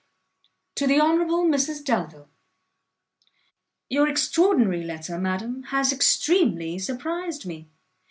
To the Honourable Mrs Delvile. Your extraordinary letter, madam, has extremely surprised me.